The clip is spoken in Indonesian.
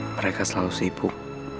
mereka selalu sibuk